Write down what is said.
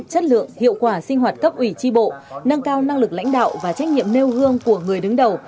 chất lượng hiệu quả sinh hoạt cấp ủy tri bộ nâng cao năng lực lãnh đạo và trách nhiệm nêu gương của người đứng đầu